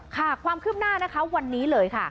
ค่ะความคืบหน้านะคะวันนี้เลยค่ะ